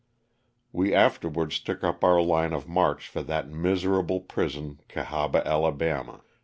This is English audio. We afterwards took up our line of march for that miserable prison, Oahaba, Ala.